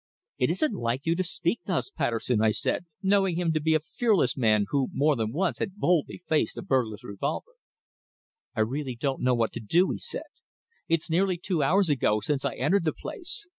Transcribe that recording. "It isn't like you to speak thus, Patterson," I said, knowing him to be a fearless man who more than once had boldly faced a burglar's revolver. "I really don't know what to do," he said. "It's nearly two hours ago since I entered the place.